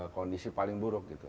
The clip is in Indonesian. kondisi paling buruk gitu